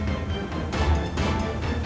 apa yang terjadi